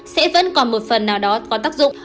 sẽ vẫn còn một phần nào đó có tác dụng